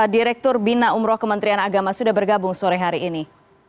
direktur bina umroh kementerian agama sudah bergabung sore hari ini